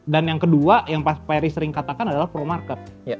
dan yang kedua yang pak ferry sering katakan adalah pro market